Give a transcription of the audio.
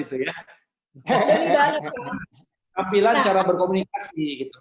tampilan cara berkomunikasi gitu